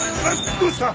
どうした？